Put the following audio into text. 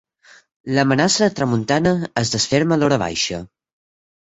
L'amenaça de tramuntana es desferma a l'horabaixa.